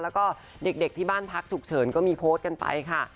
แล้วก็เด็กที่บ้านพักฉุกเฉินก็มีโพสต์กันไปค่ะ